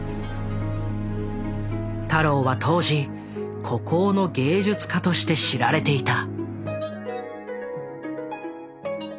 太郎は当時孤高の芸術家として知られていた。